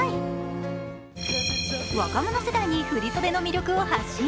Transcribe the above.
若者世代に振り袖の魅力を発信。